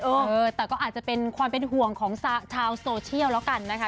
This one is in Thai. เออแต่ก็อาจจะเป็นความเป็นห่วงของชาวโซเชียลแล้วกันนะคะ